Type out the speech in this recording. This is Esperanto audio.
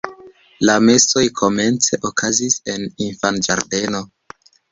La mesoj komence okazis en infanĝardeno.